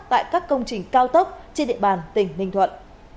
tại các công trình cao tốc trên địa bàn tỉnh ninh thuận